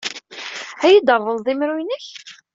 Ad iyi-d-treḍled imru-nnek?